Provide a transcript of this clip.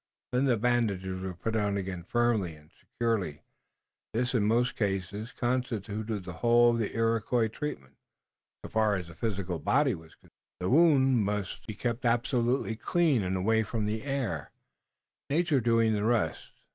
Then the bandages were put on again firmly and securely. This in most cases constituted the whole of the Iroquois treatment, so far as the physical body was concerned. The wound must be kept absolutely clean and away from the air, nature doing the rest.